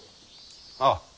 ああ。